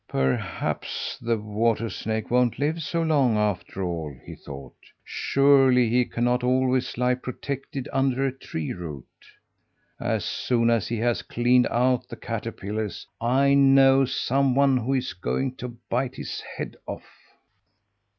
"Perhaps the water snake won't live so long, after all!" he thought. "Surely he cannot always lie protected under a tree root. As soon as he has cleaned out the caterpillars, I know some one who is going to bite his head off!"